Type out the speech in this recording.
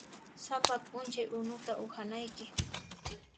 Sapa p'unchay unuta uhanayki.